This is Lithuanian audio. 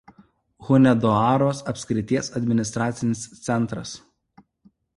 Hunedoaros apskrities administracinis centras.